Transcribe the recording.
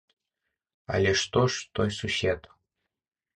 Але што ж той сусед?